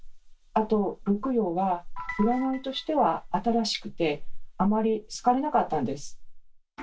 あと六曜は占いとしては新しくてあまり好かれなかったんです。